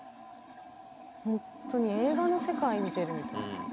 ホントに映画の世界見てるみたい。